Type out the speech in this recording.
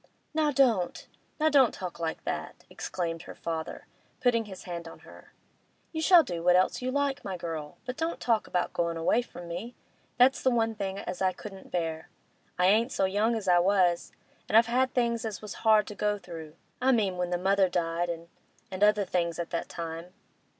'Now don't—now don't talk like that!' exclaimed her father, putting his hand on her. 'You shall do what else you like, my girl, but don't talk about goin' away from me. That's the one thing as I couldn't bear. I ain't so young as I was, and I've had things as was hard to go through—I mean when the mother died and—and other things at that time.